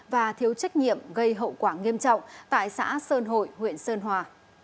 và thiếu trách nhiệm gây hậu quả nghiêm trọng tại xã sơn hội huyện sơn hòa